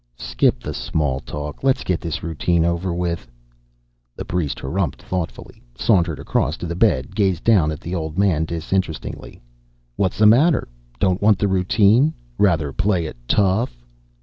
"Skip the small talk. Let's get this routine over with." The priest humphed thoughtfully, sauntered across to the bed, gazed down at the old man disinterestedly. "What's the matter? Don't want the 'routine'? Rather play it tough?"